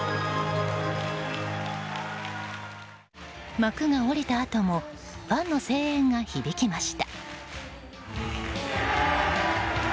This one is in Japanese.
幕が下りたあともファンの声援が響きました。